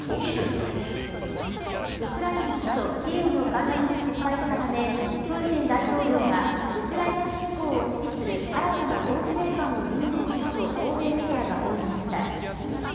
ウクライナの首都キーウの陥落に失敗したためプーチン大統領がウクライナ侵攻を指揮する新たな総司令官を任命したと欧米メディアが報じました。